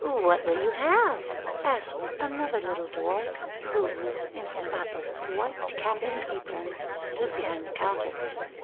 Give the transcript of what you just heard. "What will you have?" asked another little Dwarf, who, in spotless white cap and apron, stood behind the counter.